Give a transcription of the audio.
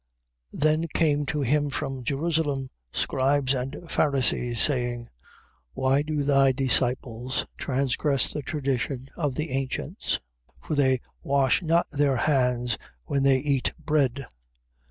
15:1. Then came to him from Jerusalem scribes and Pharisees, saying: 15:2. Why do thy disciples transgress the tradition of the ancients? For they wash not their hands when they eat bread.